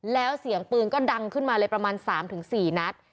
แล้วเสียงปืนก็ดังขึ้นมาเลยประมาณสามถึงสี่นัด